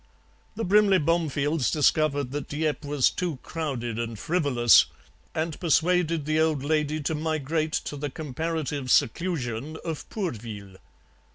The Brimley Bomefields discovered that Dieppe was too crowded and frivolous, and persuaded the old lady to migrate to the comparative seclusion of Pourville.